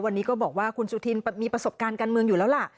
วันนี้ก็บอกว่าคุณสุธินมีประสบการณ์การเมืองอยู่แล้วล่ะ